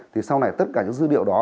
thì sau này tất cả những dữ liệu đó